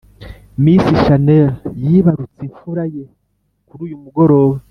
Miss channel yibarutse imfura ye kuruyu mugoroba